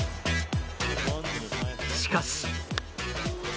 しかし。